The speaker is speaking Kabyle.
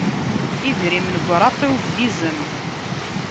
Idrimen deg uṛaṭiw n yizem.